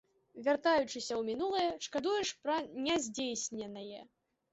Вяртаючыся ў мінулае, шкадуеш пра няздзейсненае.